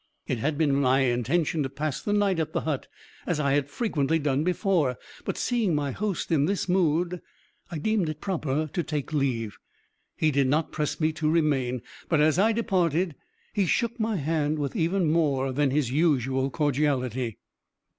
It had been my intention to pass the night at the hut, as I had frequently done before, but, seeing my host in this mood, I deemed it proper to take leave. He did not press me to remain, but, as I departed, he shook my hand with even more than his usual cordiality.